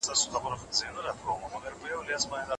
کورني توليدات به په بهرنيو بازارونو کي ښه پلور ولري.